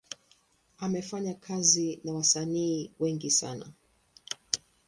Amefanya kazi na wasanii wengi sana.